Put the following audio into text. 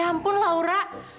ya ampun laura